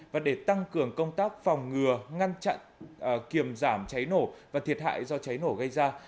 và để tăng cường công tác phòng ngừa ngăn chặn kiềm giảm cháy nổ và thiệt hại do cháy nổ gây ra